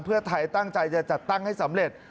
เพื่อไทยตั้งใจจะจัดตั้งให้สำเร็จ